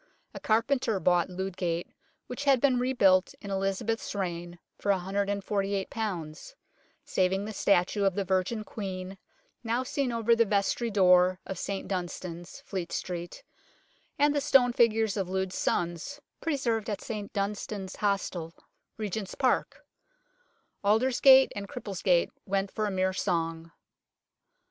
A carpenter bought Ludgate, which had been rebuilt in Elizabeth's reign, for 148, saving the statue of the Virgin Queen now seen over the vestry door of St Dunstan's, Fleet Street, and the stone figures of Lud's sons, preserved at St Dunstan's Hostel, Regent's Park ; Aldersgate and Cripplegate went for a mere song.